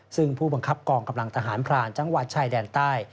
ซึ่งผู้บังคับกองกำลังทหารพรานจังหวัดชายแดนใต้